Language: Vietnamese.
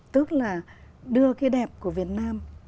tức là đưa cái đẹp của việt nam